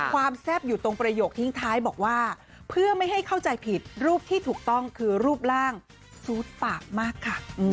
แซ่บอยู่ตรงประโยคทิ้งท้ายบอกว่าเพื่อไม่ให้เข้าใจผิดรูปที่ถูกต้องคือรูปร่างซูดปากมากค่ะ